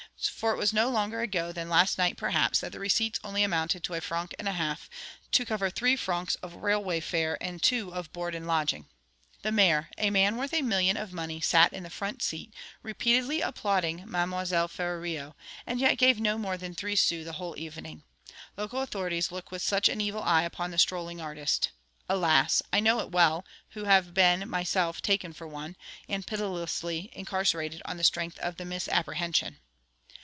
For it was no longer ago than last night, perhaps, that the receipts only amounted to a franc and a half, to cover three francs of railway fare and two of board and lodging. The Maire, a man worth a million of money, sat in the front seat, repeatedly applauding Mlle. Ferrario, and yet gave no more than three sous the whole evening. Local authorities look with such an evil eye upon the strolling artist. Alas! I know it well, who have been myself taken for one, and pitilessly incarcerated on the strength of the misapprehension.